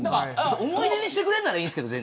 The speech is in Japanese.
思い出にしてくれるなら全然いいんですけど。